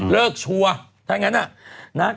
เลิกชัวร์ถ้าอย่างนั้น